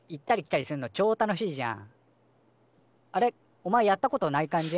おまえやったことない感じ？